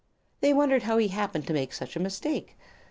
They wondered how he happened to make such a mistake.